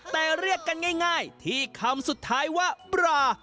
แต่เรียกกันง่ายที่คำสุดท้ายว่าปลา